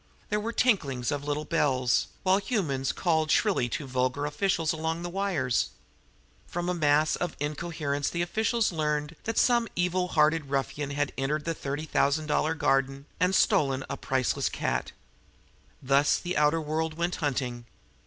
There were tinklings of little bells, while humans called shrilly to vulgar officials along the wires. From a mass of incoherence the officials learned that some evil hearted ruffian had entered the thirty thousand dollar garden and had stolen a priceless cat. Thus the outer world went hunting.